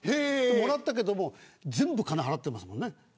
もらったけども全部、金払ってますもんね。